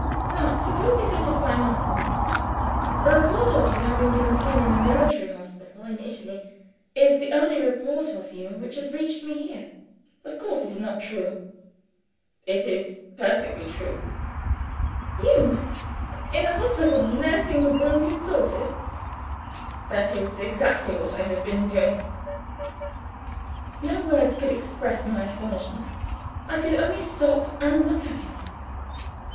"Now suppose you satisfy mine. A report of your having been seen in a military hospital in Italy, is the only report of you which has reached me here. Of course, it is not true?" "It is perfectly true." "You, in a hospital, nursing wounded soldiers?" "That is exactly what I have been doing." No words could express my astonishment. I could only stop, and look at him.